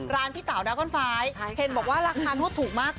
ร้านพี่เต๋าดาวน์ฟ้ายเห็นบอกว่าราคาโน้ตถูกมาก